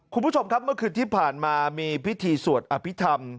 คุณผู้ชมครับเมื่อคืนที่ผ่านมามีพิธีสวดอภิษฐรรม